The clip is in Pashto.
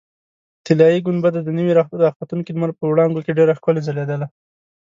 طلایي ګنبده د نوي راختونکي لمر په وړانګو کې ډېره ښکلې ځلېدله.